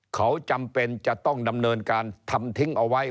เขาจำเป็นจะต้องดำเนินการทำทิ้งเอาไว้